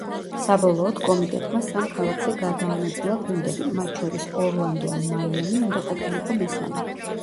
საბოლოოდ კომიტეტმა სამ ქალაქზე გადაანაწილა გუნდები, მათ შორის ორლანდო ან მაიამი უნდა ყოფილიყო მესამე.